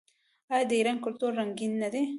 آیا د ایران کلتور رنګین نه دی؟